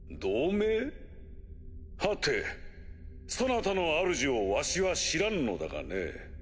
はてそなたのあるじをわしは知らんのだがね。